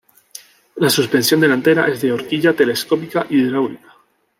La suspensión delantera es de horquilla telescópica hidráulica.